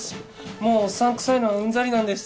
もうおっさん臭いのはうんざりなんです。